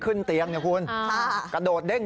บอกไปแล้วนี่ลองคุยกับผู้จัดการ